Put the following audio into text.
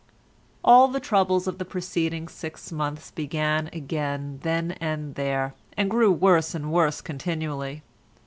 All the troubles of the preceding six months began again then and there, and grew worse and worse continually.